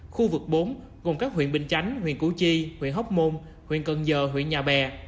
khu vực bốn gồm các huyện bình chánh huyện củ chi huyện hóc môn huyện cần giờ huyện nhà bè